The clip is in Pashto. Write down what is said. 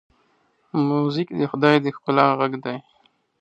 موزیک د خدای د ښکلا غږ دی.